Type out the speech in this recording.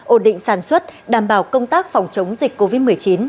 ổn định sản xuất đảm bảo công tác phòng chống dịch covid một mươi chín